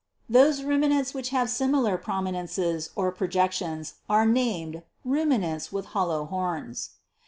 Those Ruminants which have similar prominences or projections are named, Ruminants with hollow horns.